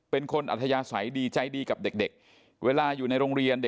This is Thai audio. อัธยาศัยดีใจดีกับเด็กเวลาอยู่ในโรงเรียน